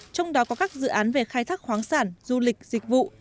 trong đó có các dự án về khai thác khoáng sản du lịch dịch vụ